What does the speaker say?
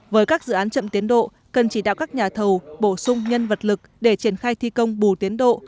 với các dự án chậm tiến độ cần chỉ đạo các nhà thầu bổ sung nhân vật lực để triển khai thi công bù tiến độ